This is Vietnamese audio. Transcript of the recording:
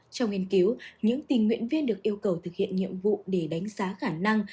trong nghiên cứu những tình nguyện viên được yêu cầu thực hiện nhiệm vụ để đánh giá khả năng